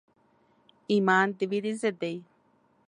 ایمان د ویرې ضد دی.